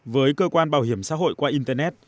với cơ quan bảo hiểm xã hội qua internet